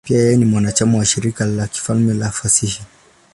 Pia yeye ni mwanachama wa Shirika la Kifalme la Fasihi.